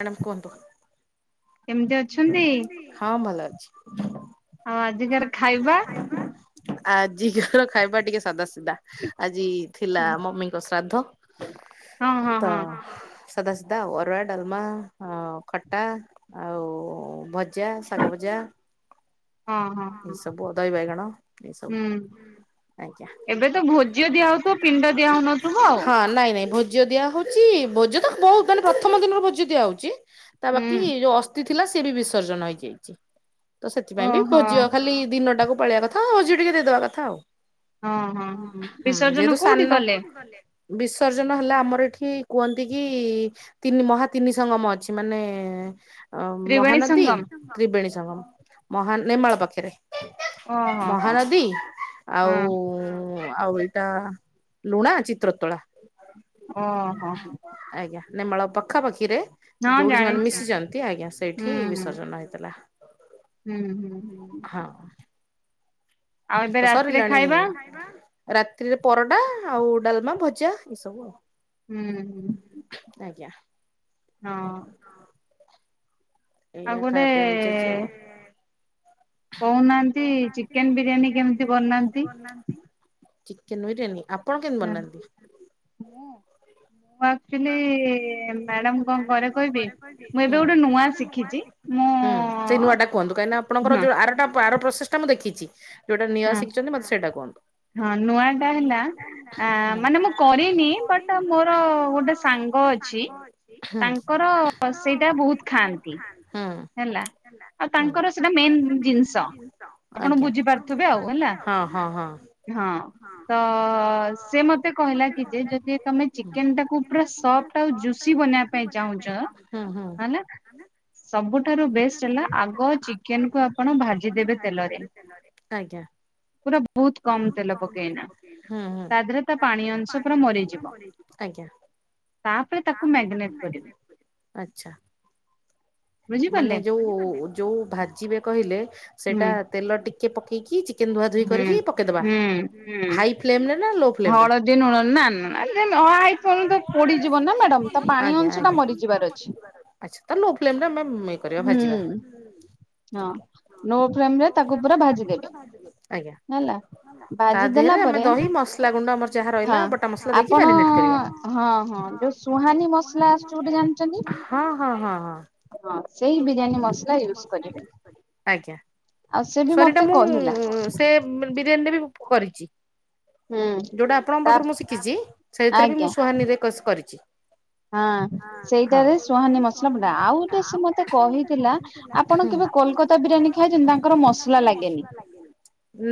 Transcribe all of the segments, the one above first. Madam କୁହନ୍ତୁ। ହଁ ଭଲ ଅଛି। ହଁ। ବା ଆଜିିକର ଖାଇବା ଟିକେ ସାଦା ସିଦା? ଆଜି ଥିଲା ମମିଙ୍କ ଶ୍ରାଦ୍ଧ ତ ଶାଦାସିଦା ଅରୁଆ ଡଲମା ଖଟା ଆଉ ଭଜା ଶାଗ ଭଜା। ଏ ସବୁ ଦହି ବାଇଗଣ ଏଇ ସବୁ ଆଜ୍ଞା ହଁ ନାଇଁ ନାଇଁ ଭୋଜ ଭୋଜ ଦିଆ ହଉଛି ଭୋଜ ତ ବହୁତ ମାନେ ପ୍ରଥମ ଦିନରୁ ଭୋଜ ଦିଆ ହଉଛି ତା ବାକି ଯୋଉ ଅସ ଥିଲା ସିଏ ବିସର୍ଜନ ହେଇଯାଇଛି ତ ସେଥିପାଇଁ ବି ଖାଲି ଦିନଟାକୁ ପଳେଇବା କଥା ଆଉ ଭୋଜି ଟିକେ ଦେଇଦବା କଥା ଆଉ। ହଁ ହଁ ହଁ ବିସର୍ଜନ କୋଉଠି କଲେ? ବିସର୍ଜନ ହେଲେ ଆମର ଏଠି କୁହନ୍ତି କି? ତିନି ମହା ତିନି ସଙ୍ଗମ ଅଛି ମାନେ ଅ ମହାନଦୀ ତ୍ରିବେଣୀ ସଂଘମ ମହା ନେମାଳ ପାଖରେ। ମହାନଦୀ ଆଉ ଆଉ ଟା ଲୁଣା ଚିତ୍ରତଳା। ଓହୋ ହୋ ଆଜ୍ଞା ନେମାଳ ପଖାପାଖିରେ ଯୋଉଠି ସେମାନେ ମିଶିଛନ୍ତି ଆଜ୍ଞା ସେଇଠି ବିସର୍ଜନ ହେଇଥିଲା। ହୁଁ ହୁଁ। ହଁ। ତ ସରିଲାଣି ରାତିିରେ ପରଟା ଆଉ ଡାଲମା ଭଜା ଏସବୁ ଆଉ। ହୁଁ ହୁଁ। ଆଜ୍ଞା। ହଁ। ଏଇଆ ଖାଇବାପିଇଆ ହେଇଛି ଆଜି ଆଉ। କହୁନାହାନ୍ତି। କହୁନାହାନ୍ତି ଚିକେନ୍ ବିରିୟାନୀ କେମତି ବନାନ୍ତି? ଆପଣ କେମିତି ବନାନ୍ତି? ମୁଁ ଆକ୍ଚୁଆଲି ମ୍ୟାଡାମ କଣ କରେ କହିବି ମୁଁ ଏବେ ଗୋଟେ ନୂଆ ଶିଖିଛି। ହୁଁ ସେଇ ନୂଆ ଟା କୁହନ୍ତୁ କାହିଁକି ନା ଆପଣଙ୍କର ଯୋଉ ଆରଟା ଆର ପ୍ରୋସେସ ଟା ମୁଁ ଦେଖିଛି। ଯୋଉଟା ନୂଆ ଶିଖିଛନ୍ତି ସେଇଟା କୁହନ୍ତୁ? ହଁ ନୂଆଟା ହେଲା ମାନେ ମୁଁ କରିନି ବଟ ମୋର ଗୋଟେ ସାଙ୍ଗ ଅଛି ତାଙ୍କର ସେଇଟା ବହୁତ ଖାନ୍ତି। ଆଉ ତାଙ୍କର ସେଇଟା ମେନ୍ ଜିନିଷ। ଆଜ୍ଞା ହଁ ହଁ ହଁ। ହଁ ତ ସେ ମତେ କହିଲା କି ଯେ ଯଦି ତମେ ଚିକେନ ଟାକୁ ପୁରା ସଫ୍ଟ ଆ ଜୁସି ବନେଇବା ପାଇଁ ଚାହୁଁଛ ମାନେ ସବୁଠାରୁ ବେଷ୍ଟ ହେଲା ଆଗ ଚିକେନ କୁ ଆପଣ ଭାଜି ଦେବେ ତେଲରେ। ଆଜ୍ଞା। ପୁରା ବହୁତ କମ ତେଲ ପକେଇନା ତା ଦେହରେ ତା ପାଣି ଅଂଶ ପୁରା ମରିଯିବ। ଆଜ୍ଞା ଆଛା। ମାନେ ଯୋଉ ଯୋଉ ଭାଜିବେ କହିଲେ ସେଇଟା ତେଲ ଟିକେ ପକେଇକି ଚିକେନ ଧୁଆଧୁଇ କରିକି ପକେଇଦବା। [inaudible] କରିବା ଭାଜିବା। ନୋଫ୍ ଆଜ୍ଞା। ହେଲା। ଭାଜିଦେଲା ପରେ ହଁ ଆପଣ ହଁ ହଁ ଯୋଉ ସୁହାନୀ ମସଲା ଆସୁଛି ଗୋଟେ ଜାଣିଛନ୍ତି? ହଁ ହଁ ହଁ ହଁ। ହଁ ସେଇ ବିରିୟାନୀ ମସଲା ୟୁଜ କରିବେ। ଆଜ୍ଞା ସୁହାନୀ ଟା ମୁଁ ସେ ବିରିୟାନୀରେ ବି କରିଛି। ଯୋଉଟା ଆପଣଙ୍କ ପାଖରୁ ମୁଁ ଶିଖିଛି ସେଇଥିରେ ବି ମୁଁ ସୁହାନୀରେ କରିଛି। ହଁ ସେଇଟାରେ ସୁହାନୀ ମସଲା ମଣ୍ଡା ଆଉ ଗୋଟେ ସେ ମତେ କହିଥିଲା ଆପଣ କେବେ କୋଲକାତା ବିରିୟାନୀ ଖାଇ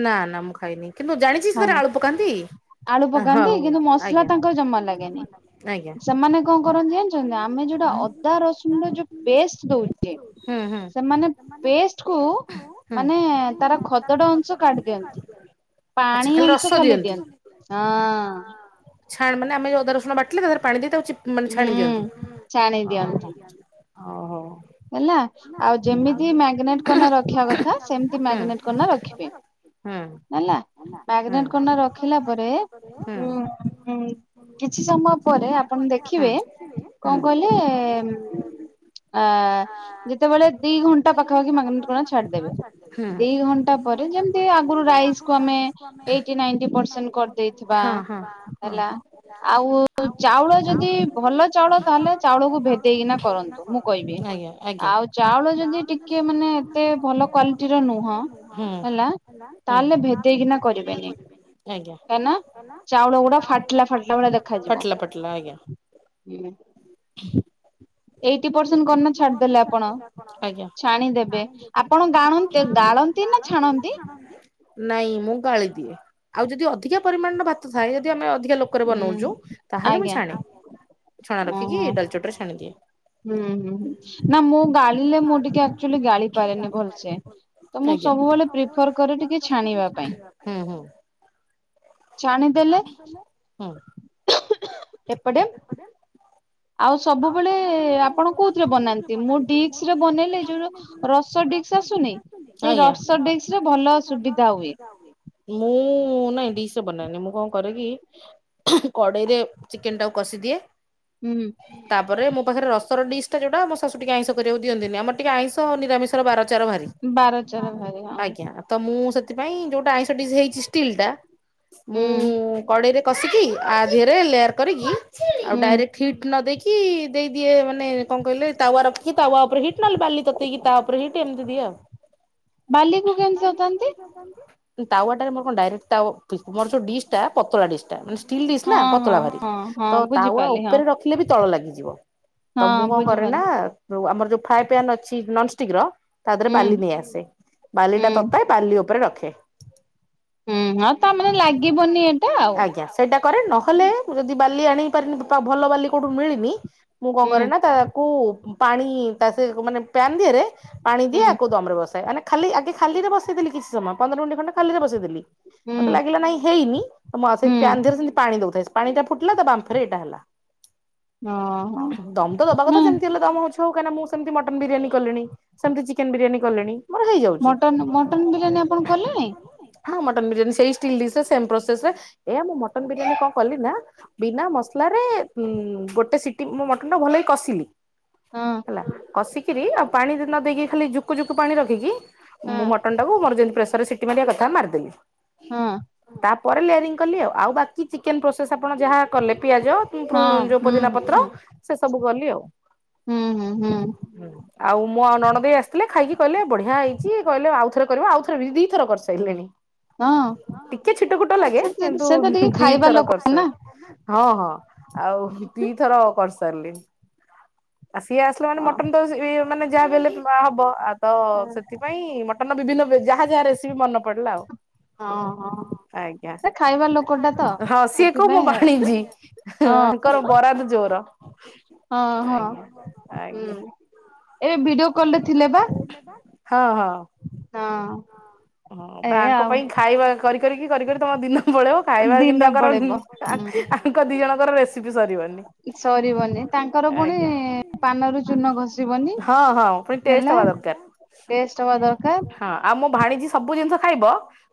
ନା ନା ମୁଁ ଖାଇନି କିନ୍ତୁ ଜାଣି ଛି ସେଥିରେ ଆଳୁ ପକାନ୍ତି? ଆଳୁ ପକାନ୍ତି କିନ୍ତୁ ମସଲା ତାଙ୍କ ଜମା ଲାଗେନି ସେମାନେ କଣ କରନ୍ତି ଜାଣିଛନ୍ତି ଆମେ ଯୋଉଟା ଅ ଅଦା ରସୁଣ ର ଯୋଉ ପେଷ୍ଟ ଦଉଛି ସେମାନେ ପେଷ୍ଟକୁ ମାନେ ତାର ଖଦଡ ଅଂଶ କାଢଟିି ଦିଅନ୍ତି। ପାଣି ଅଂଶ ଖୋଲି ଦିଅନ୍ତି। ଛାଣ ମାନେ ଆମେ ଯୋଉ ଅଦା ରସୁଣ ବାଟିଲେ ତା ଦେହରେ ପାଣି ଦେଇ ଚିପୁ ମାନେ ଛାଣି ଦିଅନ୍ତି। ହେଲା ଆଉ ଯେମିତି ମ୍ୟାଗନେଟ କନା ରଖିବା କଥା ସେମିତି ମ୍ୟାଗନେଟ କନା ରଖିବେ। ମ୍ୟାଗନେଟ କନା ରଖିଲା ପରେ ଉଁ କିଛି ସମୟ ପରେ ଆପଣ ଦେଖିବେ କଣ କହିଲେ ଅ ଯେତେବେଳେ ଦି ଘଣ୍ଟା ପାଖାପାଖି ମାଗନେ ପୁରା ଛାଡି ଦେବେ ଦି ଘଣ୍ଟା ପରେ ଯେମତି ଆଗରୁ ରାଇସି କୁ ଆମେ ଏଇଟି ନାଟି ପ୍ରୋସେଣ୍ଟ କରି ଦେଇଥିବା ହେଲା ଆଉ ଚାଉଳ ଯଦି ଭଲ ଚାଉଳ ତାହେଲେ ଚାଉଳକୁ ଭେ ଦେଇକିନା କରନ୍ତୁ ମୁଁ କହିବି ଆଉ ଚାଉଳ ଯଦି ଟିକେ ମାନେ ହୁଁ ହୁଁ। ଆଜ୍ଞା ଫାଟିଲା ଫାଟିଲା ଆଜ୍ଞା। ହୁଁ। ଥାର୍ଟି ପେରସେଣ୍ଟ କଣ ନା ଛାଡ଼ି ଦେଲେ ଆପଣ ଛାଣି ଦେବେ ଆପଣ ଗାଣନ୍ତି ଗାଳନ୍ତି ନା ଛାଣନ୍ତି? ନାଇଁ ମୁଁ ଗାଳି ଦିଏ ଆଉ ଯଦି ଅଧିକା ପରିମାଣର ଭାତ ଥାଏ ଯଦି ଆମେ ଅଧିକା ଲୋକ କୁକୁର ବନଉଛୁ ତାହେଲେ ମୁଁ ଛାନେ ଛଣା ରଖିକି ଡାଲଚୋଟ ରେ ଛାଣିଦିଏ। ହୁଁ ହୁଁ ହୁଁ ନା ମୁଁ ଗାଳିଲେ ମୁଁ ଟିକେ ଆକ୍ଚୁଆଲି ଗାଳି ପାରେନି ଭଲସେ। ଆଜ୍ଞା ହୁଁ ହୁଁ। ଛାଣିଦେଲେ ଏପଟେ ଆଉ ସବୁବେଳେ ଆପଣ କୋଉଥିରେ ବନାନ୍ତିନ୍ତି ମୁଁ ଡିସରେ ବନେଇଲେ ଯୋଉ ରସ ଡି ଆଜ୍ଞା। ମୁଁ ନାଇଁ ଦିଶ ବନେଇନି ମୁଁ କଣ କରେ କିି କଡ଼େଇରେ ଚିକେନ୍ ଟାକୁ କଷିଦିଏ ହୁଁ। ତାପରେ ମୋ ପାଖରେ ରସର ଡିସା ଯୋଉଟା ମୋ ଶାଶୁ ଟିକେ ଆଇଁଷ କରିବାକୁ ଦିଅନ୍ତିନି ଆମର ଟିକେ ଆଇଁଷ ଆଉ ନିରାମିଷ ବାର ଚାର ଭାରି ଆଜ୍ଞା। ତ ମୁଁ ସେଥିପାଇଁ ଯୋଉଟା ଆଇଁଷ ଦିସ୍ ହେଇଛି ଷ୍ଟିଲ୍ ଟା ମୁଁ କଡେଇରେ କଷିକି ଆ ଦିହରେ ଲେୟାର୍ କରିକି ଆଉ ଡାଇରେକ୍ଟ ହିଟ୍ ନ ଦେଖି ଦେଇଦିଏ ମାନେ କଣ କହିଲେ ତାୱା ରଖି ତାୱା ଉପରେ ହିଟ୍ ନହେଲେ ବାଲି ତତେଇକି ତା ଉପରେ ହିଟ୍ ଏମିତି ଦିଏ ଆଉ। ବାଲି କୁ କେମିତି ତତାନ୍ତି? ତାୱା ଟାରେ ମୋର କଣ ଡାଇରେକ୍ଟ ତାଓ- ମୋର ଯଉ ଡିସ୍ ଟା ପତଳା ଡିସ୍ ଟା ମାନେ ଷ୍ଟିଲ୍ ଡିସ୍ ନା ପତଳା ଭାରି ତ ତାୱା ଉପରେ ରଖି ଲେ ବି ତଳ ଲାଗିଯିବ ତ ମୁଁ କଣ କରେ ନା ଆମର ଯଉ ଫ୍ରାଏ ପ୍ୟାନ୍ ଅଛି ନନଷ୍ଟିକି ର ତା ଦେହରେ ବାଲି ନେଇ ଆସେ ବାଲି ଟା ତତାଏ ବାଲି ଉପରେ ରଖେ। ହୁଁ -ହଁ ତା ମାନେ ଲାଗିବନି ଏଇଟା ଆଉ। ସେଇଟା କରେ ନହେଲେ ଯଦି ବାଲି ଆଣି ପାରିନି ବା ଭଲ ବାଲି କଉଠୁ ମିଳିନି ମୁଁ କଣ କରେ ନା ତାକୁ ପାଣି ତା ସେ ମାନେ ପ୍ୟାନ୍ ଦିହରେ ପାଣି ଦିଏ ଆକୁ ଦମ୍ ରେ ବସାଏ ମାନେ ଖାଲି ଆଗେ ଖାଲିରେ ବସେଇ ଦେଲି କିଛି ସମୟ ପନ୍ଦର ମିନିଟ୍ ଖଣ୍ଡେ ଖାଲିରେ ବସେଇ ଦେଲି ମତେ ଲାଗିଲା ନାଇଁ ହେଇନି ତ ମୁଁ ଆଉ ପ୍ୟାନ୍ ରେ ସେମିତି ପାଣି ଦଉଥାଏ ପାଣି ଟା ଫୁଟିଲା ତା ବାମ୍ଫରେ ଏଇଟା ହେଲା। ଦମ୍ ତ ଦବା କଥା ଯେମିତି ହେଲେ ତମ୍ ହଉଚ କାହିକି ମୁଁ ସେମତି ମଟନ୍ ବିରିୟାନୀ କଲିଣି ସେମିତି ଚିକେନ୍ ବିରିୟାନୀ କଲିଣି ମଟନ୍- ମଟନ୍ ବିରିୟାନୀ ଆପଣ କଲେଣି? ହଁ ମଟନ୍ ବିରିୟାନୀ ସେଇ ଷ୍ଟିଲ୍ ଡିଶ୍ ରେ ସେମ୍ ପ୍ରୋସେସ୍ ରେ ଏୟା ମୁଁ ମଟନ୍ ବିରିୟାନୀ କଣ କଲି ନା ବିନା ମସଲାରେ ଉଁ- ଗୋଟେ ସିଟି ମୁଁ ମଟନ ଟା ଭଲକି କଷିଲି ହଁ। କଷି କିରି ଆଉ ପାଣି ନ ଦେଇକି ଖାଲି ଯୁକୁ ଯୁକୁ ପାଣି ରଖିକି ମୁଁ ମ ମଟନ୍ ଟାକୁ ମୋର ଯେମିତି ପ୍ରେସର୍ ରେ ସିଟି ମାରିବା କଥା ମାରିଦେଲି ହଁ। ତାପରେ ଲେୟରିଂ କଲି ଆଉ- ଆଉ ବାକି ଚିକେନ୍ ପ୍ରୋସେସ୍ ଆପଣ ଯାହା କଲେ ପିଆଜ ଯଉ ପୋଦିନା ପତ୍ର ସେ ସବୁ ଗଲି ଆଉ। ଆଉ ମୋ ଆଉ ନଣନ୍ଦେଇ ଆସିଥିଲେ ଖାଇକି କହିଲେ ବଢିଆ ହେଇଚି କହିଲେ ଆଉଥରେ କରିବ ଆଉଥରେ ବି ଦିଥର କରିସାରିଲିଣି। ଟିକେ ଛିଟ କୁଟ ଲାଗେ କିନ୍ତୁ ଦିଥର କରିସାର୍ ହଁ- ହଁ ଆଉ ଦିଥର କରିସାରିଲିଣି ଆଉ ସିଏ ଆସିଲା ମାନେ ମଟନ୍ ତ ଇଏ ମାନେ ଯାହା ବି ହେଲେ ହବ ଆ ତ ସେଥିପାଇଁ ମୋ କାରଣ ବିଭିନ୍ନ ଯାହା ଯାହା ରେସିିପି ମନ ପଡିଲା ଆଉ। ହଁ -ହଁ। ଆଜ୍ଞା ହଁ ସିଏ କୁ ମୋ ଭାଣିଜୀ ଙ୍କର ବରାଦ ଜୋର। ହଁ- ହଁ- ହୁଁ ଏବେ ଭଡିଓ ହଁ- ହଁ। ହଁ ତାଙ୍କ ପାଇଁ ଖାଇବା କରି କରିକି କରି କରି ତମ ଦିନ ପଳେଇବ ଖାଇବା କିନ୍ତୁ ତାଙ୍କର ଆଙ୍କ ଦି ଜଣଙ୍କର ରେସିପି ସରିବନି। ଆଜ୍ଞା ହଁ -ହଁ। ପୁଣି ଟେଷ୍ଟ୍ ହେବା ଦରକାର୍। ହଁ ଆଉ ମୋ ଭାଣିଜୀ ସବୁ ଜିନିଷ ଖାଇବ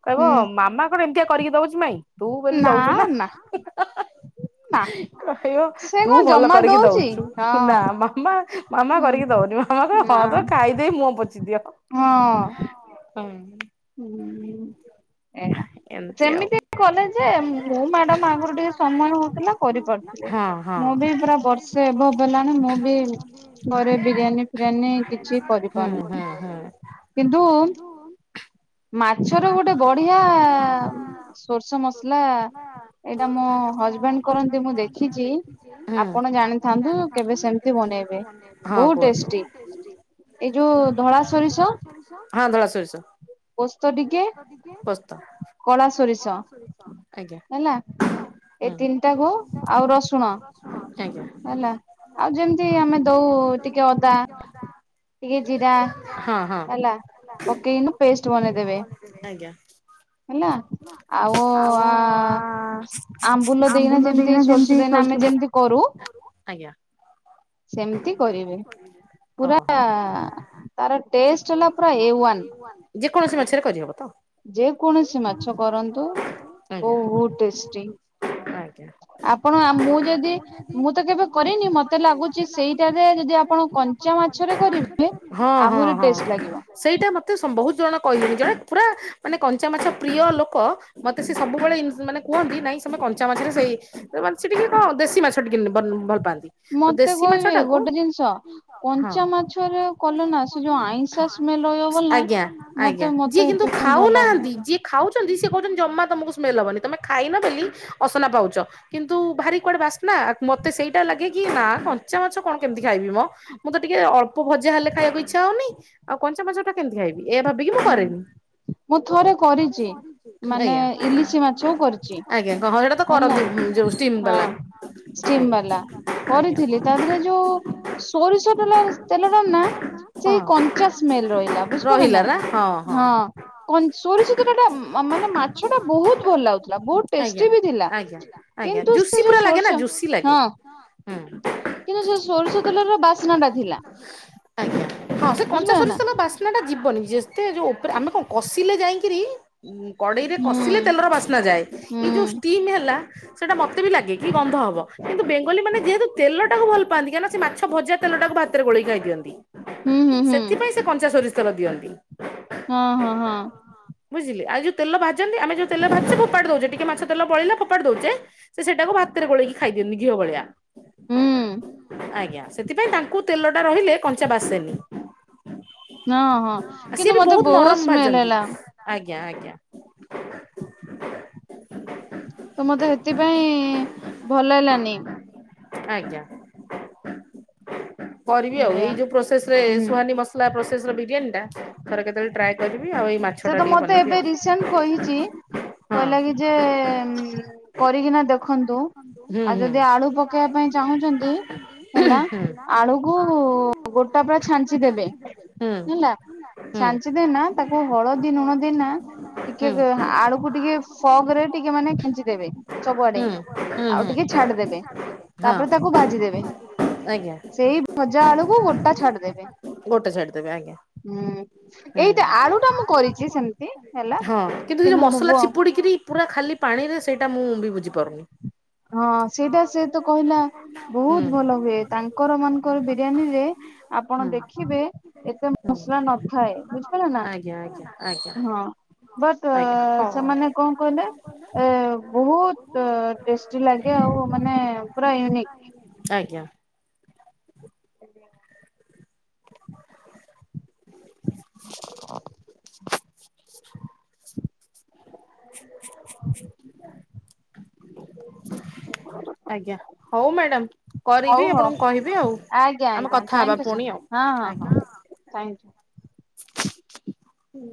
କହିବ ମାମା କଣ ଏମିତିଆ କରିକି ଦଉ ନାଇ ତୁ ବୋଲି ଦଉଚୁ ନା। କହିବ ତୁ ଭଲ କରିକି ଦଉଚୁ ନା ମାମା ମାମା କରିକି ଦଉନି ମାମା ତ ଖାଇ ଦେଇ ମୁହଁ ପୋଛିଦିଅ ହଁ। ହୁଁ ଏୟା। ଏମିତି ଆଉ। କରିପାରୁଥିଲେ ମୁଁ ବି ପୁରା ବର୍ଷେ ହେବ ହେଲାଣି ମୁଁ ବି ଘରେ ବିରିୟାନୀ ଫିରିୟାନ ହୁଁ ହୁଁ ହୁଁ। ମାଛରେ ଗୋଟେ ବଢିଆ ସୋରିଷ ମସଲା ଏଇଟା ମୋ ହଜବେଣ୍ଡ୍ କରନ୍ତି ମୁଁ ଦେଖିଚି ଆପଣ ଜାଣିଥାନ୍ତୁ କେବେ ସେମିତି ବନେଇବେ ବହୁତ ଟେଷ୍ଟି ଏଇ ଯୋଉ ଧଳା ସୋରିଷ ସୋରିଷ ହଁ ଧଳା ସୋରିଷ ପୋସ୍ତ ଟିକେ ପୋ କଳା ସୋରିଷ ଆଜ୍ଞା ହୁଁ ଏଇ ତିନିଟା ଆଉ ରସୁଣ ଆଜ୍ଞା [unintelligible] ଆଉ ଯେମିତି ଟିକେ ଅଦା ଟିକେ ଜିରା ହେଲା ପକେଇନୁ ପେଷ୍ଟେ ବନେଇଦେବେ। ଆଜ୍ଞା। ହେଲା। ଆଉ ଆ ଆମ୍ବୁଲ ଦେଇନା ଯେମିତି ସୋରିଷ ଦେଇନା ଆମେ ଯେମିତି କରୁ ଆଜ୍ଞା। ସେମିତି କରିବେ ପୁରା ତାର ଟେଷ୍ଟେ ହେଲା ପୁରା ଏ ୱାନ। ଯେକୌଣସି ମାଛରେ କରିହବ ତ ଯେ କୌଣସି ମାଛ କରନ୍ତୁ ବହୁତ ଟେଷ୍ଟି। ଆ ଆପଣ ମୁଁ ଯଦି ମୁଁ ତ କେବେ କରିନି ମତେ ଲାଗୁଚି ସେଇଟାରେ ଯଦି ଆପଣ କଞ୍ଚା ମା ଛରେ କରିବେ ଆହୁରି ଟେଷ୍ଟେ ଲାଗିବ। ସେଇଟା ମତେ ସ୍ ବହୁତ ଜଣ କହିିଲେଣି ଜଣେ ପୁରା ମାନେ କଞ୍ଚା ମାଛ ପ୍ରିୟ ଲୋକ ମତେ ସେ ସବୁବେଳେ ଇ - ମାନେ କୁହନ୍ତି ନାଇଁ ତମେ କଞ୍ଚା ମାଛିରେ ସେଇ ତାମାନେ ସେ ଟିକେ କଣ ଦେଶୀ ମାଛ ଟିକେବନ୍ ଭଲ୍ ପାଆନ୍ତି। ମତେ କହିବେ ଗୋଟେ ଜିନିଷ ହଁ କଞ୍ଚା ମାଛରେ କଲେ ମାଛଟା ଆଇଁଷ ସ୍ମେଲ୍ ଆଜ୍ଞା ଆ ଆଜ୍ଞା ଯିଏ କିନ୍ତୁ ଖାଉନାହାନ୍ତି ଯିଏ ଖାଉଛନ୍ତି ସିଏ କହୁଛନ୍ତି ଜମା ତମକୁ ସ୍ମେଲ୍ ହବନି ତମେ ଖାଇନ ବୋଲି ଅସନା ପାଉଛ କିନ୍ତୁ ଭାରି କୁଆଡ଼େ ବାଶ୍ ନା ମତେ ସେଇଟା ଲାଗେ କି ନା କଞ୍ଚା ମାଛ କଣ କେମିତି ଖାଇବି ମ ମୁଁ ତ ଟିକେ ଅଳ୍ପ ଭଜା ହେଲେ ଖାଇବାକୁ ଇଚ୍ଛା ହଉନି ଆଉ କଞ୍ଚା ମାଛଟା କେମିତି ଖାଇବି ଏୟା ଭାବିକି ମୁଁ କରେନି। ମୁଁ ଥରେ କରିଚି ମାନେ ଇଲିଶି ମାଛ କରିଚି। ହେଲା ହଁ ଷ୍ଟିମ୍ ବାଲା କରିଥିଲି ତା ଦେହରେ ଯୋଉ ସୋରିଷ ଟଲା ତେଲଟା ନା ସେଇ କଞ୍ଚା ସ୍ମେଲ୍ ରହିଲା ବୁଝିପାରିଲ ନା। ହଁ କନ୍ଶ୍ ସୋରିଷ ତେଲ ଟା ଉ ମ ମାନେ ମାଛ ଟା ବହୁତ ଭଲ ଲାଗୁ [unintelligible] ବହୁତ ଟେଷ୍ଟି ବି ଥିଲା କିନ୍ତୁ ସେ ଯୋଉ ସୋରିଷ ହଁ। କିନ୍ତୁ ସେ ସୋରିଷ ତେଲର ବାସ୍ନା ଟା ଥିଲା। ଆଜ୍ଞା ହଁ ସେ କଞ୍ଚା ସରିଷ ତେଲ ବାଷ୍ ଟା ଯିବନି ଯେତେ ଯୋଉ ଉପରେ ଆମେ କଣ କସିଲେ ଯାଇକିରି ଉ କଡ଼େଇରେ କଷିଲେ ତେଲର ବାସ୍ନା ଯାଏ ଏଇ ଯୋଉ ଷ୍ଟିମ୍ ହେଲା ସେଇଟା ମତେ ବି ଲାଗେ କି ଗନ୍ଧ ହବ କିନ୍ତୁ ବେଙ୍ଗଲୀ ମାନେ ଯେହେତୁ ତେଲଟାକୁ ଭଲ ପାଆନ୍ତି କାହିଁକି ନା ସେ ମାଛ ଭଜା ତେଲ ଟାକୁ ଭାତରେ ଗୋଳେଇ ଖାଇ ଦିଅନ୍ତି ସେଥିପାଇଁ ସେ କଞ୍ଚା ସୋରିଷ ତେଲ ଦିଅନ୍ତି। ହଁ ହଁ ହଁ। ବୁଝିଲି ଆଉ ଯୋଉ ତେଲ ଭାଯନ୍ତି ଆମ ଯୋଉ ତେଲ ଭାଯୁଚେ ଫୋପାଡ଼ି ଦଉଚ ଟିକେ ମାଛ ତେଲ ବଳିଲା ଫୋପାଡି ଦଉଚେ, ସେ ସେଟାକୁ ଭାତରେ ଗୋଳେଇିକି ଖାଇଦିଅନ୍ତି ଘିଅ ଭଳିଆ। ହୁଁ। ଆଜ୍ଞା ସେଥିପାଇଁ ତାଙ୍କୁ ତେଲ ଟା ରହିଲେ କଞ୍ଚା ବାସେନି। ହଁ-ହଁ କିନ୍ତୁ ମତେ ବହୁତ ସ୍ମେଲ୍ ହେଲା। ଆଜ୍ଞା-ଆଜ୍ଞା। ତ ମତେ ହେଥିପାଇଁ ଭଲଲାନି। ଆଜ୍ଞା କରିବି ଆଉ ଏଇ ଯୋଉ ପ୍ରୋସେସରେ ସୁହାନି ମସ୍ ଲା ପ୍ରୋସେସ ର ବିରିୟାନୀଟା ଥରେ କେତେବେଳେ ଟ୍ରାଏ କରିବି ଆଉ ଏଇ ମାଛଟା ଟିକେ ବନେଇବି ଆଉ। କହିଛି କହିଲା କି ଯେ କରିକିନା ଦେଖନ୍ତୁ। ହୁଁ ହୁଁ ହୁଁ। ହୁଁ ହୁଁ। ନା ତାକୁ ହଳଦୀ ନୁଣ ଦେଇନା ଟିକେ ଆଳୁକୁ ଟିକେ ଫଗ୍ ରେ ଟିକେ ମାନେ ଖେଞ୍ଚିଦେବେ ସବୁଆଡେ। ଆଉ ଟିକେ ଛାଡିଦେବେ ତାପରେ ତାକୁ ଭାଜିଦେବେ। ସେଇ ଭଜା ଆଳକୁ ଗୋଟା ଛାଡିଦେବେ। ହୁଁ ଏଇଟା ଆଳୁ ହଁ କିନ୍ତୁ ସେ ଯୋଉ ମସଲା ଚିପୁଡିକିରି ପୁରା ଖାଲି ପାଣିରେ ସେଇଟା ମୁଁ ବି ବୁଝିପାରୁନି। ହଁ ସେଇଟା ସେ ତ କହିଲା ବହୁତ ଭଲ ହୁଏ, ତାଙ୍କର ମାନଙ୍କର ବିରିୟାନୀରେ ଆପଣ ଦେଖିବେ ଏତେ ମସଲା ନ ଥାଏ ବୁଝିପାଇଲ ନା ହଁ। ବଟ୍ ସେମାନେ କଣ କହିଲେ ଏ ବହୁତ୍ ଟେଷ୍ଟି ଲାଗେ ଆଉ ମାନେ ପୁରା ୟୁନିକ୍। ଆଜ୍ଞା। ଆଜ୍ଞା ହଉ ମ୍ୟାଡ଼ାମ କରିବି ଆପଣଙ୍କୁ କହିବି ଆଉ। ଆଜ୍ଞା ଆଜ୍ଞା ଥ୍ୟାଙ୍କୁୟୁ ସା ହଁ ହଁ ହଁ ଥ୍ୟାଙ୍କୁୟୁ। ହୁଁ।